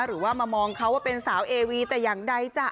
หรือว่ามามองเขาว่าเป็นสาวเอวีแต่อย่างใดจ้ะ